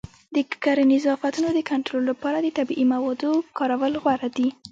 د کرنیزو آفتونو د کنټرول لپاره د طبیعي موادو کارول غوره دي.